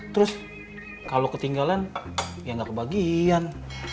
terus kalo ketinggalan ya ga kebagian